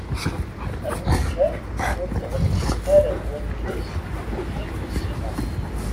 Awi-d kan ur d-ɣellint ara wallen-is d tid n Sima.